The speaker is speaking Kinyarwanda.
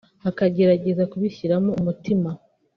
akagerageza kubishyiraho umutima